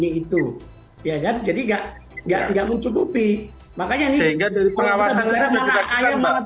ini itu ya jadi enggak enggak enggak mencukupi makanya ini juga dari perawatan mana ayam mana